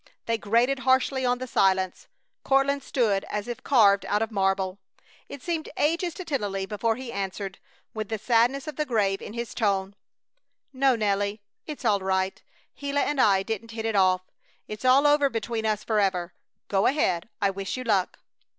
They grated harshly on the silence. Courtland stood as if carved out of marble. It seemed ages to Tennelly before he answered, with the sadness of the grave in his tone: "No, Nelly! It's all right! Gila and I didn't hit it off! It's all over between us forever. Go ahead! I wish you luck!"